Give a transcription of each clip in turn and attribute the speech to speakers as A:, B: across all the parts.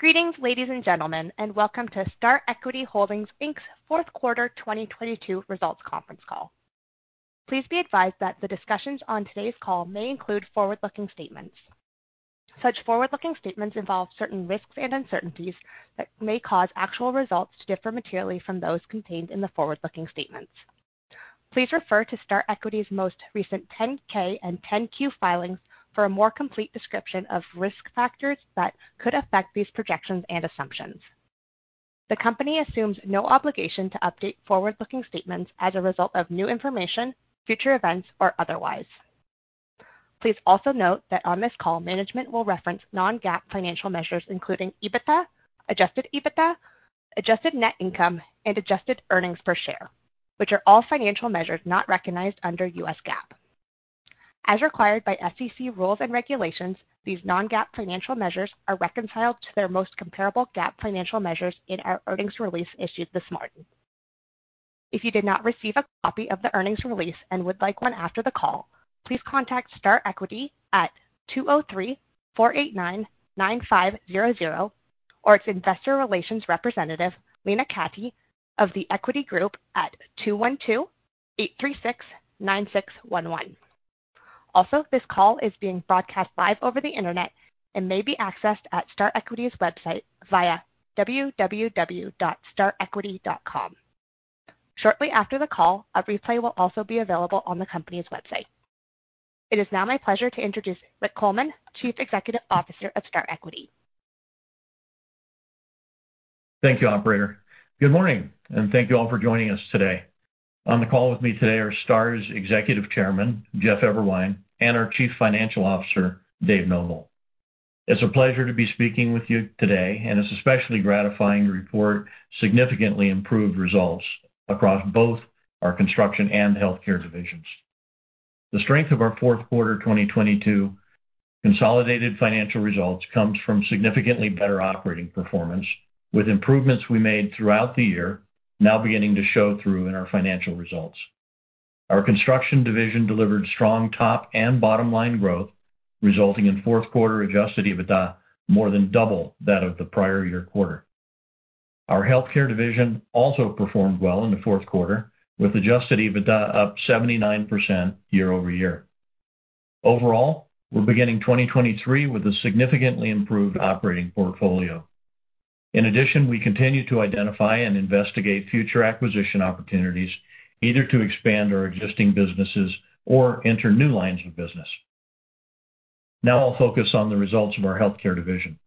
A: Greetings, ladies and gentlemen, and welcome to Star Equity Holdings Inc.'s fourth quarter 2022 results conference call. Please be advised that the discussions on today's call may include forward-looking statements. Such forward-looking statements involve certain risks and uncertainties that may cause actual results to differ materially from those contained in the forward-looking statements. Please refer to Star Equity's most recent 10-K and 10-Q filings for a more complete description of risk factors that could affect these projections and assumptions. The company assumes no obligation to update forward-looking statements as a result of new information, future events, or otherwise. Please also note that on this call, management will reference non-GAAP financial measures, including EBITDA, adjusted EBITDA, adjusted net income, and adjusted earnings per share, which are all financial measures not recognized under U.S. GAAP. As required by SEC rules and regulations, these non-GAAP financial measures are reconciled to their most comparable GAAP financial measures in our earnings release issued this morning. If you did not receive a copy of the earnings release and would like one after the call, please contact Star Equity at 203-489-9500, or its investor relations representative, Lena Cati of The Equity Group at 212-836-9611. This call is being broadcast live over the Internet and may be accessed at Star Equity's website via www.starequity.com. Shortly after the call, a replay will also be available on the company's website. It is now my pleasure to introduce Rick Coleman, Chief Executive Officer of Star Equity.
B: Thank you, operator. Good morning, and thank you all for joining us today. On the call with me today are Star's Executive Chairman, Jeff Eberwein, and our Chief Financial Officer, Dave Noble. It's a pleasure to be speaking with you today, and it's especially gratifying to report significantly improved results across both our construction and healthcare divisions. The strength of our fourth quarter 2022 consolidated financial results comes from significantly better operating performance, with improvements we made throughout the year now beginning to show through in our financial results. Our construction division delivered strong top and bottom line growth, resulting in fourth quarter adjusted EBITDA more than double that of the prior year quarter. Our healthcare division also performed well in the fourth quarter, with adjusted EBITDA up 79% year-over-year. Overall, we're beginning 2023 with a significantly improved operating portfolio. In addition, we continue to identify and investigate future acquisition opportunities, either to expand our existing businesses or enter new lines of business. I'll focus on the results of our healthcare division.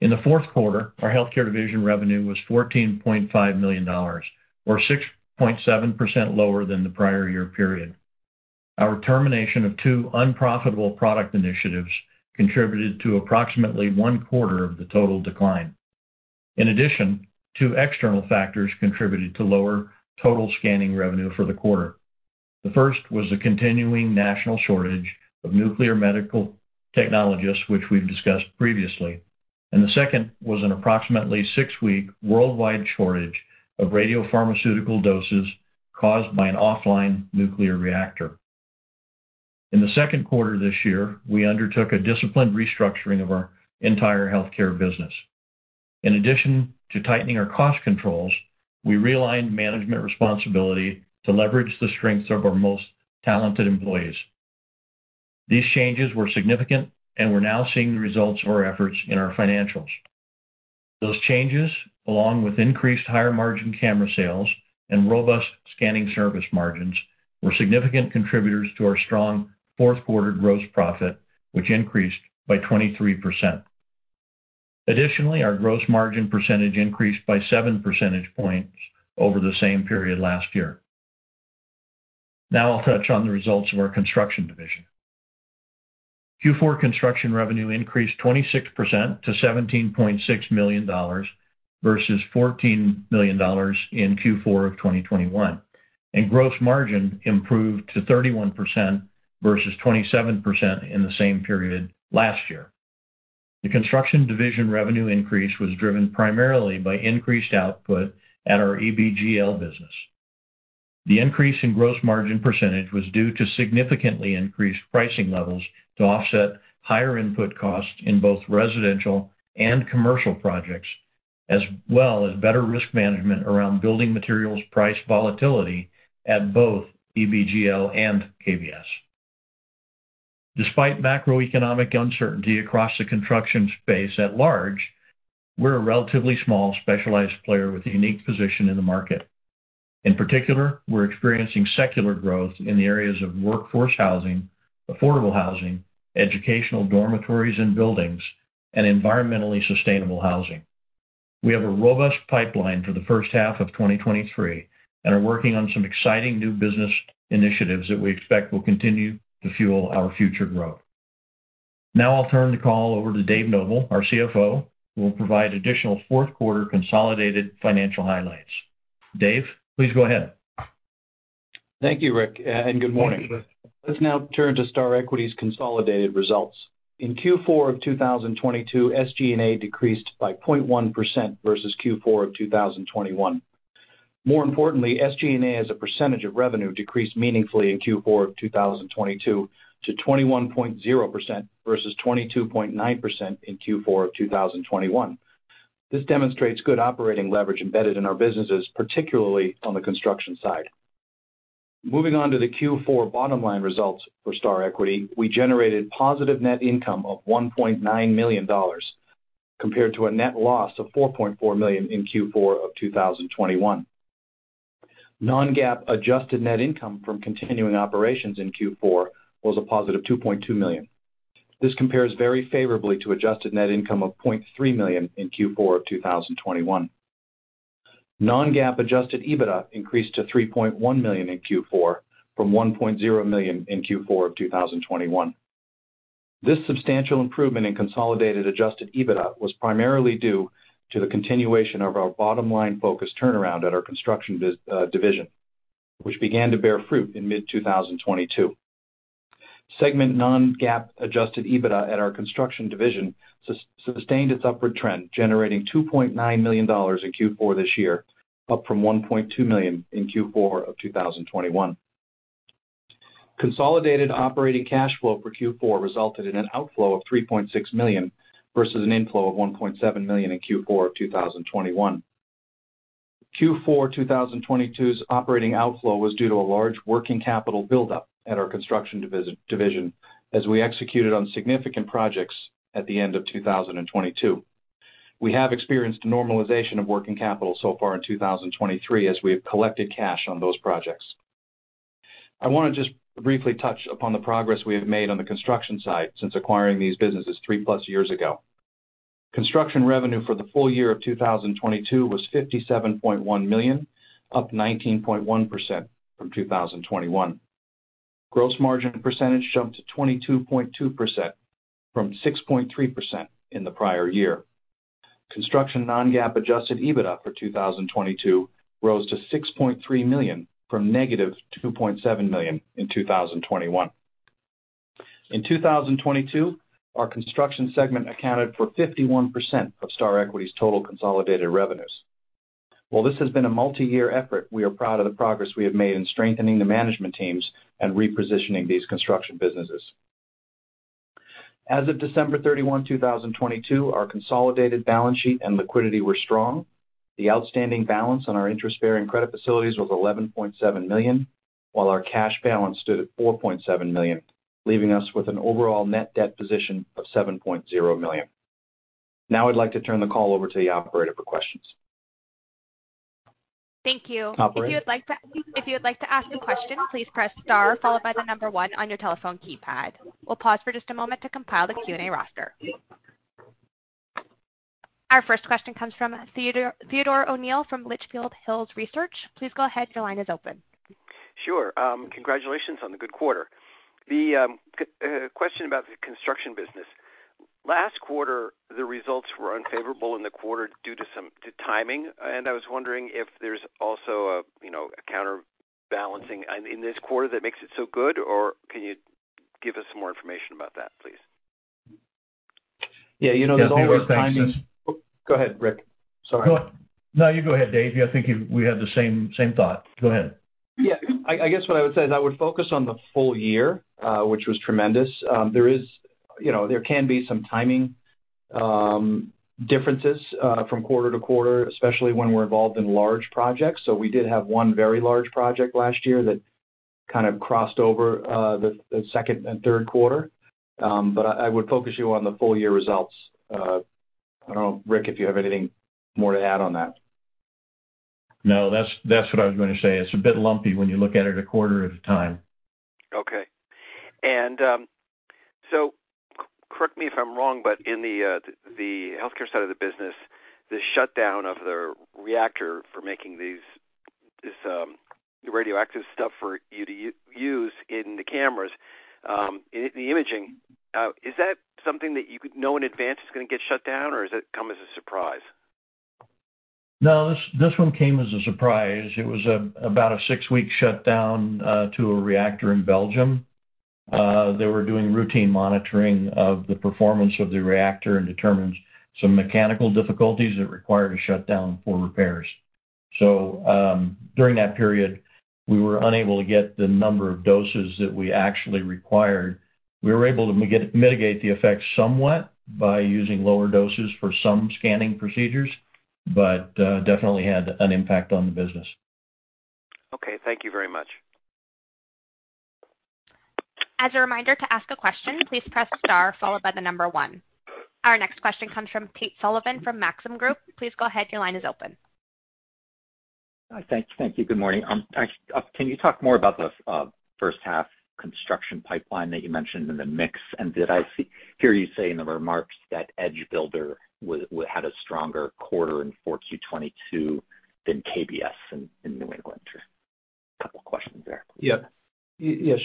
B: In the fourth quarter, our healthcare division revenue was $14.5 million or 6.7% lower than the prior year period. Our termination of two unprofitable product initiatives contributed to approximately one quarter of the total decline. In addition, two external factors contributed to lower total scanning revenue for the quarter. The first was the continuing national shortage of nuclear medicine technologists, which we've discussed previously. The second was an approximately six-week worldwide shortage of radiopharmaceutical doses caused by an offline nuclear reactor. In the second quarter this year, we undertook a disciplined restructuring of our entire healthcare business. In addition to tightening our cost controls, we realigned management responsibility to leverage the strengths of our most talented employees. These changes were significant, and we're now seeing the results of our efforts in our financials. Those changes, along with increased higher-margin camera sales and robust scanning service margins, were significant contributors to our strong fourth quarter gross profit, which increased by 23%. Additionally, our gross margin percentage increased by 7% points over the same period last year. I'll touch on the results of our construction division. Q4 construction revenue increased 26% to $17.6 million versus $14 million in Q4 of 2021. Gross margin improved to 31% versus 27% in the same period last year. The construction division revenue increase was driven primarily by increased output at our EBGL business. The increase in gross margin percentage was due to significantly increased pricing levels to offset higher input costs in both residential and commercial projects, as well as better risk management around building materials price volatility at both EBGL and KBS. Despite macroeconomic uncertainty across the construction space at large, we're a relatively small, specialized player with a unique position in the market. In particular, we're experiencing secular growth in the areas of workforce housing, affordable housing, educational dormitories and buildings, and environmentally sustainable housing. We have a robust pipeline for the first half of 2023 and are working on some exciting new business initiatives that we expect will continue to fuel our future growth. I'll turn the call over to Dave Noble, our CFO, who will provide additional fourth quarter consolidated financial highlights. Dave, please go ahead.
C: Thank you, Rick, and good morning.
B: Thank you.
C: Let's now turn to Star Equity's consolidated results. In Q4 of 2022, SG&A decreased by 0.1% versus Q4 of 2021. SG&A as a percentage of revenue decreased meaningfully in Q4 of 2022 to 21.0% versus 22.9% in Q4 of 2021. This demonstrates good operating leverage embedded in our businesses, particularly on the construction side. Moving on to the Q4 bottom line results for Star Equity, we generated positive net income of $1.9 million compared to a net loss of $4.4 million in Q4 of 2021. Non-GAAP adjusted net income from continuing operations in Q4 was a positive $2.2 million. This compares very favorably to adjusted net income of $0.3 million in Q4 of 2021. Non-GAAP adjusted EBITDA increased to $3.1 million in Q4 from $1.0 million in Q4 of 2021. This substantial improvement in consolidated adjusted EBITDA was primarily due to the continuation of our bottom-line focused turnaround at our construction biz division, which began to bear fruit in mid 2022. Segment non-GAAP adjusted EBITDA at our construction division sustained its upward trend, generating $2.9 million in Q4 this year, up from $1.2 million in Q4 of 2021. Consolidated operating cash flow for Q4 resulted in an outflow of $3.6 million versus an inflow of $1.7 million in Q4 of 2021. Q4 of 2022's operating outflow was due to a large working capital buildup at our construction division as we executed on significant projects at the end of 2022. We have experienced normalization of working capital so far in 2023 as we have collected cash on those projects. I wanna just briefly touch upon the progress we have made on the construction side since acquiring these businesses 3+ years ago. Construction revenue for the full year of 2022 was $57.1 million, up 19.1% from 2021. Gross margin percentage jumped to 22.2% from 6.3% in the prior year. Construction non-GAAP adjusted EBITDA for 2022 rose to $6.3 million from negative $2.7 million in 2021. In 2022, our construction segment accounted for 51% of Star Equity's total consolidated revenues. While this has been a multi-year effort, we are proud of the progress we have made in strengthening the management teams and repositioning these construction businesses. As of December 31, 2022, our consolidated balance sheet and liquidity were strong. The outstanding balance on our interest-bearing credit facilities was $11.7 million, while our cash balance stood at $4.7 million, leaving us with an overall net debt position of $7.0 million. I'd like to turn the call over to the operator for questions.
A: Thank you.
C: Operator?
A: If you would like to ask a question, please press star followed by one on your telephone keypad. We'll pause for just a moment to compile the Q&A roster. Our first question comes from Theodore O'Neill from Litchfield Hills Research. Please go ahead. Your line is open.
D: Sure. Congratulations on the good quarter. The question about the construction business. Last quarter, the results were unfavorable in the quarter due to some, to timing, and I was wondering if there's also a, you know, a counterbalancing in this quarter that makes it so good, or can you give us some more information about that, please?
C: Yeah, you know, there's always timing-
B: Yeah, Theodore, thanks.
C: Go ahead, Rick. Sorry.
B: No, you go ahead, Dave. Yeah, I think we had the same thought. Go ahead.
C: Yeah. I guess what I would say is I would focus on the full year, which was tremendous. There is, you know, there can be some timing differences from quarter to quarter, especially when we're involved in large projects. We did have one very large project last year that kind of crossed over the second and third quarter. I would focus you on the full year results. I don't know, Rick, if you have anything more to add on that.
B: No, that's what I was gonna say. It's a bit lumpy when you look at it a quarter at a time.
D: Okay. Correct me if I'm wrong, but in the healthcare side of the business, the shutdown of the reactor for making these, this, the radioactive stuff for you to use in the cameras, in the imaging, is that something that you could know in advance is gonna get shut down or does it come as a surprise?
B: This one came as a surprise. It was about a six-week shutdown to a reactor in Belgium. They were doing routine monitoring of the performance of the reactor and determined some mechanical difficulties that required a shutdown for repairs. During that period, we were unable to get the number of doses that we actually required. We were able to mitigate the effects somewhat by using lower doses for some scanning procedures, but definitely had an impact on the business.
D: Okay. Thank you very much.
A: As a reminder to ask a question, please press star followed by one. Our next question comes from Tate Sullivan from Maxim Group. Please go ahead. Your line is open.
E: Thank you. Good morning. Actually, can you talk more about the first half construction pipeline that you mentioned in the mix? Did I hear you say in the remarks that EdgeBuilder had a stronger quarter in 4Q 2022 than KBS in New England? Just a couple questions there.
C: Yeah.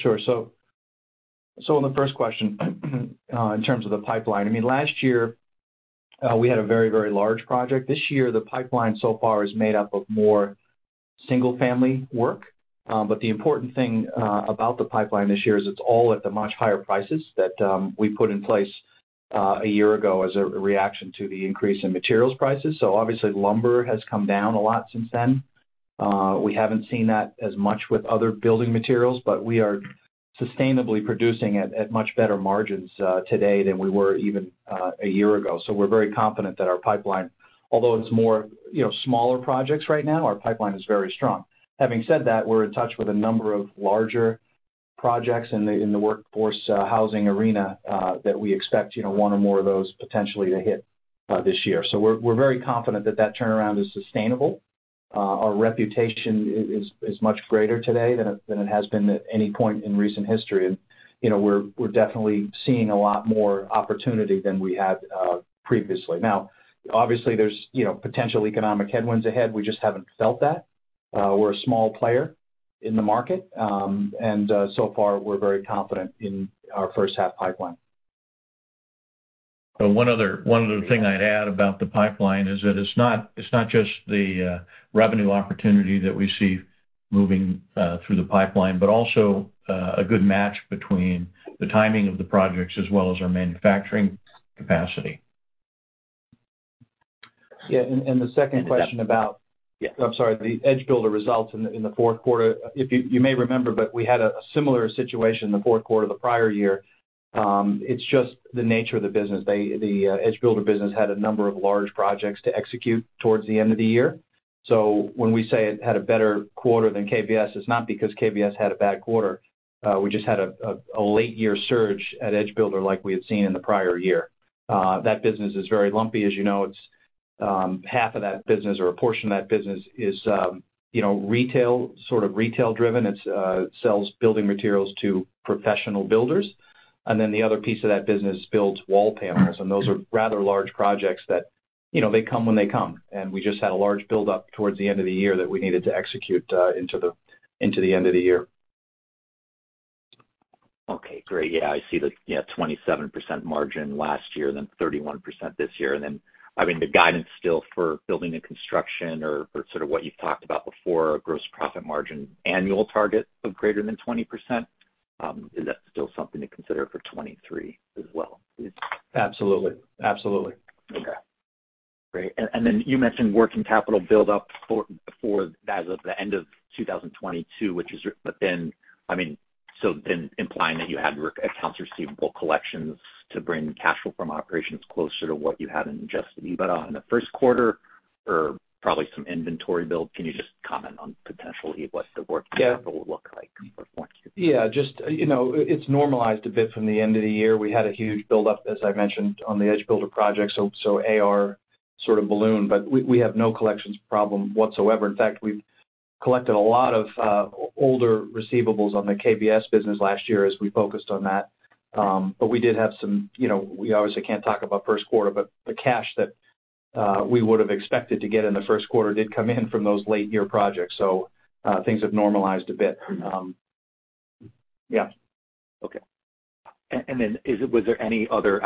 C: Sure. On the first question, in terms of the pipeline, I mean, last year, we had a very large project. This year, the pipeline so far is made up of more single-family work. The important thing about the pipeline this year is it's all at the much higher prices that we put in place a year ago as a reaction to the increase in materials prices. Obviously lumber has come down a lot since then. We haven't seen that as much with other building materials, but we are sustainably producing at much better margins today than we were even a year ago. We're very confident that our pipeline, although it's more, you know, smaller projects right now, our pipeline is very strong. Having said that, we're in touch with a number of larger projects in the workforce housing arena that we expect, you know, one or more of those potentially to hit this year. We're very confident that that turnaround is sustainable. Our reputation is much greater today than it has been at any point in recent history. You know, we're definitely seeing a lot more opportunity than we had previously. Now obviously there's, you know, potential economic headwinds ahead. We just haven't felt that. We're a small player in the market. And so far we're very confident in our first half pipeline.
B: One other thing I'd add about the pipeline is that it's not, it's not just the revenue opportunity that we see moving through the pipeline, but also a good match between the timing of the projects as well as our manufacturing capacity.
C: Yeah. The second question.
E: Yeah.
C: I'm sorry, the Edge Builder results in the fourth quarter. You may remember, we had a similar situation in the fourth quarter the prior year. It's just the nature of the business. The Edge Builder business had a number of large projects to execute towards the end of the year. When we say it had a better quarter than KBS, it's not because KBS had a bad quarter. We just had a late year surge at Edge Builder like we had seen in the prior year. That business is very lumpy. As you know, it's half of that business or a portion of that business is, you know, retail, sort of retail driven. It sells building materials to professional builders. Then the other piece of that business builds wall panels, and those are rather large projects that, you know, they come when they come. We just had a large buildup towards the end of the year that we needed to execute, into the end of the year.
E: Okay, great. I see the 27% margin last year, then 31% this year. I mean, the guidance still for building and construction or sort of what you've talked about before, a gross profit margin annual target of greater than 20%, is that still something to consider for 2023 as well?
C: Absolutely. Absolutely.
E: Okay. Great. Then you mentioned working capital buildup as of the end of 2022, which is, I mean, implying that you had accounts receivable collections to bring cash flow from operations closer to what you had in adjusted EBITDA in the first quarter or probably some inventory build. Can you just comment on potentially what the work capital will look like moving forward?
C: Yeah. Just, you know, it's normalized a bit from the end of the year. We had a huge buildup, as I mentioned, on the EdgeBuilder project, AR sort of balloon. We have no collections problem whatsoever. In fact, we've collected a lot of older receivables on the KBS business last year as we focused on that. We did have some, you know, we obviously can't talk about first quarter, but the cash that we would've expected to get in the first quarter did come in from those late year projects. Things have normalized a bit. Yeah.
E: Okay. Then is it, was there any other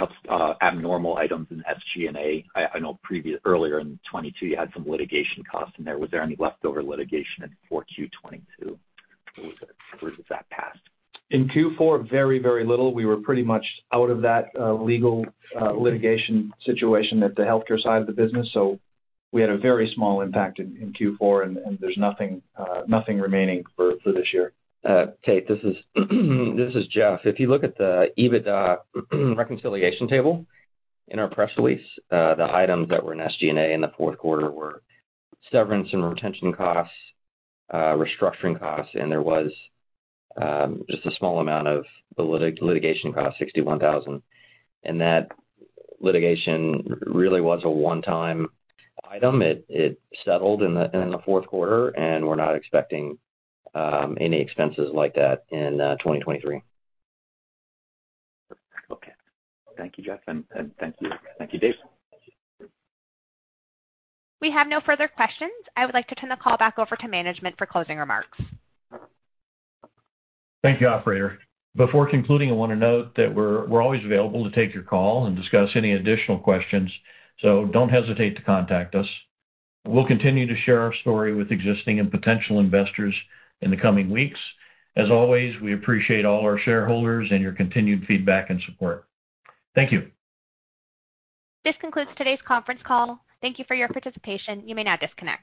E: abnormal items in SG&A? I know earlier in 2022 you had some litigation costs in there. Was there any leftover litigation in 4Q 2022 or was that passed?
C: In Q4, very, very little. We were pretty much out of that, legal, litigation situation at the healthcare side of the business. We had a very small impact in Q4, and there's nothing remaining for this year.
F: Tate, this is Jeff. If you look at the EBITDA reconciliation table in our press release, the items that were in SG&A in the fourth quarter were severance and retention costs, restructuring costs, and there was just a small amount of litigation costs, $61,000. That litigation really was a one-time item. It settled in the fourth quarter, and we're not expecting any expenses like that in 2023.
E: Okay. Thank you, Jeff. Thank you, Dave.
A: We have no further questions. I would like to turn the call back over to management for closing remarks.
B: Thank you, operator. Before concluding, I wanna note that we're always available to take your call and discuss any additional questions. Don't hesitate to contact us. We'll continue to share our story with existing and potential investors in the coming weeks. As always, we appreciate all our shareholders and your continued feedback and support. Thank you.
A: This concludes today's conference call. Thank you for your participation. You may now disconnect.